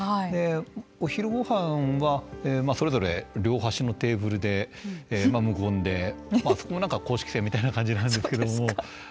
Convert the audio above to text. お昼ごはんは、それぞれ両端のテーブルで、無言でそこも、なんか公式戦みたいな感じなんですけれども。